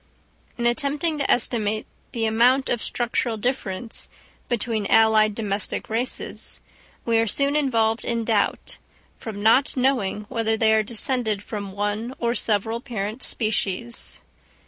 In attempting to estimate the amount of structural difference between allied domestic races, we are soon involved in doubt, from not knowing whether they are descended from one or several parent species.